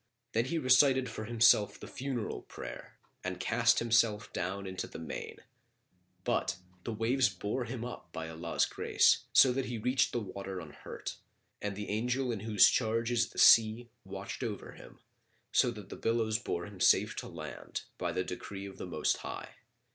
Then he recited for himself the funeral prayer[FN#35] and cast himself down into the main; but, the waves bore him up by Allah's grace, so that he reached the water unhurt, and the angel in whose charge is the sea watched over him, so that the billows bore him safe to land, by the decree of the Most High.